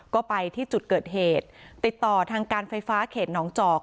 ก็ไปที่จุดเกิดเหตุติดต่อทางการไฟฟ้าเขตหนองจอก